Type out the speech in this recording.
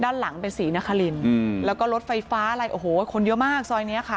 ด้านหลังเป็นศรีนครินแล้วก็รถไฟฟ้าอะไรโอ้โหคนเยอะมากซอยเนี้ยค่ะ